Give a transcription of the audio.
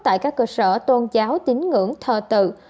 tại các cơ sở tôn giáo tín ngưỡng thờ tự